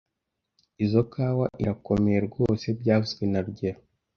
Izoi kawa irakomeye rwose byavuzwe na rugero